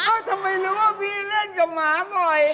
ทำไมรู้ว่าพี่เล่นกับหมาบ่อย